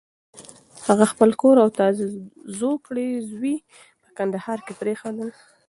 هغه خپل کور او تازه زوکړی زوی په کندهار کې پرېښودل.